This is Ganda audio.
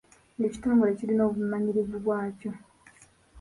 Buli kitongole kirina obumanyirivu bwakyo.